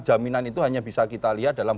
jaminan itu hanya bisa kita lihat dalam